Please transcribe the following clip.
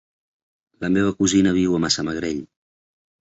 La meva cosina viu a Massamagrell.